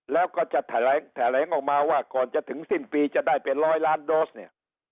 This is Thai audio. แล้วก็จะแถลงออกมาว่าก่อนจะถึงสิ้นปีจะได้เป็นร้อยล้านโดสเนี่ย